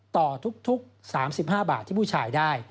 ต่อทุก๓๕บาทที่ผู้ชายได้